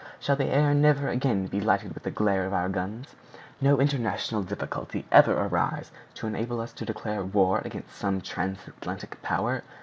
Shall the air never again be lighted with the glare of our guns? No international difficulty ever arise to enable us to declare war against some transatlantic power?